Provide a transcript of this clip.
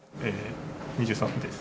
２３です。